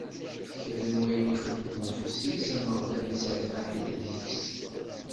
Kra n wayen ixeddem ufus-is, Ameɣlal isserbaḥ-it deg-s.